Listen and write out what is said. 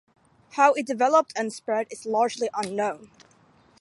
How it developed and spread is largely unknown.